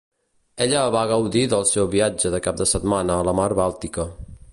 Ella va gaudir del seu viatge de cap de setmana a la mar Bàltica.